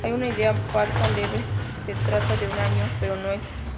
Hay una idea falsa leve se trata de un año, pero no es.